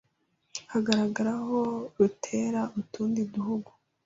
hagaragara aho rutera utundi duhugu